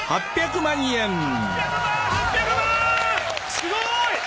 すごい！